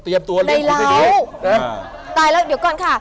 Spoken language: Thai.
เตรียมตัวเลี่ยงในราวนะฮะตายแล้วเดี๋ยวก่อนค่ะ